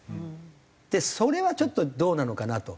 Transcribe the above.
それはちょっとどうなのかなと。